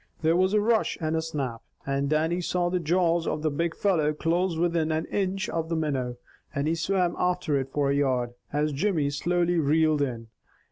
There was a rush and a snap, and Dannie saw the jaws of the big fellow close within an inch of the minnow, and he swam after it for a yard, as Jimmy slowly reeled in.